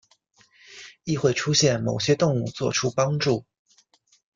亦会出现某些动物作出帮助。